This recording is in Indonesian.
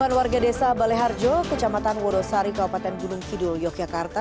delapan warga desa baleharjo kecamatan wonosari kabupaten gunung kidul yogyakarta